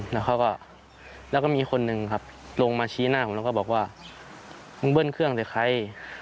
แล้วเขาก็มีคนหนึ่งครับลงมาชี้หน้าผมแล้วก็บอกว่ามึงเบิ้ลเครื่องแต่ใคร